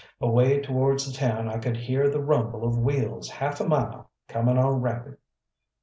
Away towards the town I could hear the rumble of wheels half a mile, coming on rapid.